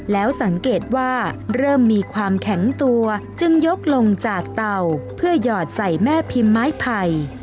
แล้วสังเกตว่าเริ่มมีความแข็งตัวจึงยกลงจากเต่าเพื่อหยอดใส่แม่พิมพ์ไม้ไผ่